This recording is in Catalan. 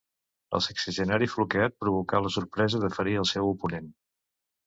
El sexagenari Floquet provocà la sorpresa de ferir al seu oponent.